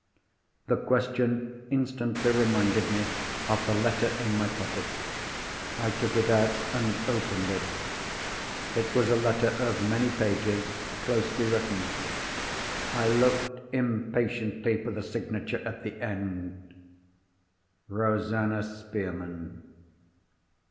The question instantly reminded me of the letter in my pocket. I took it out, and opened it. It was a letter of many pages, closely written. I looked impatiently for the signature at the end. "Rosanna Spearman."